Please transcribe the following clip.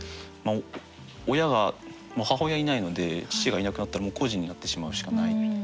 親が母親いないので父がいなくなったらもう孤児になってしまうしかない。